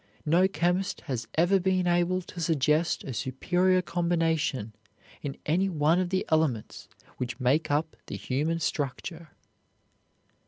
No chemist has ever been able to suggest a superior combination in any one of the elements which make up the human structure.